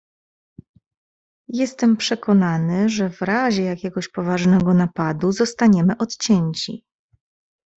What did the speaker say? "Jestem przekonany, że w razie jakiegoś poważnego napadu, zostaniemy odcięci."